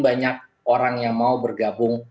banyak orang yang mau bergabung